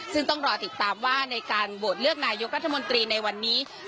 ซึ่งต้องรอติดตามว่าในการโหวตเลือกนายกรัฐมนตรีในวันนี้